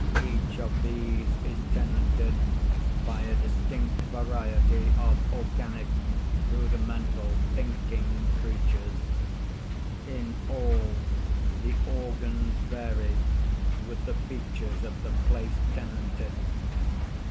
Each of these is tenanted by a distinct variety of organic, rudimental, thinking creatures. In all, the organs vary with the features of the place tenanted.